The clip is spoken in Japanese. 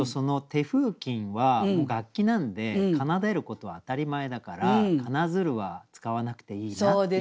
「手風琴」は楽器なんで奏でることは当たり前だから「奏づる」は使わなくていいなって感じます。